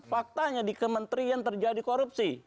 faktanya di kementerian terjadi korupsi